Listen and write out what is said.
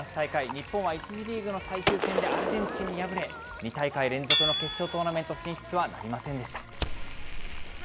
日本は１次リーグの最終戦でアルゼンチンに敗れ、２大会連続の決勝トーナメント進出はなりませんでした。